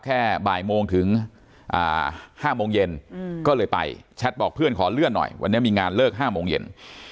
บ่ายโมงถึง๕โมงเย็นก็เลยไปแชทบอกเพื่อนขอเลื่อนหน่อยวันนี้มีงานเลิก๕โมงเย็น